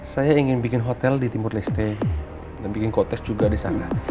saya ingin bikin hotel di timur leste dan bikin kotest juga di sana